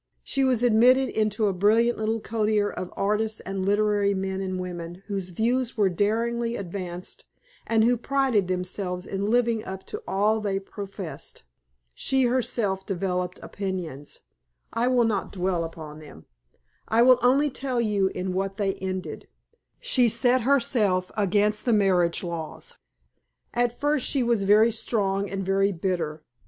She was admitted into a brilliant little coterie of artists and literary men and women whose views were daringly advanced, and who prided themselves in living up to all they professed. She herself developed opinions. I will not dwell upon them; I will only tell you in what they ended. She set herself against the marriage laws. At first she was very strong and very bitter.